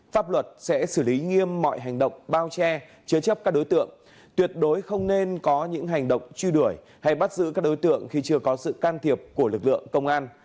pháp luật sẽ xử lý nghiêm mọi hành động bao che chứa chấp các đối tượng tuyệt đối không nên có những hành động truy đuổi hay bắt giữ các đối tượng khi chưa có sự can thiệp của lực lượng công an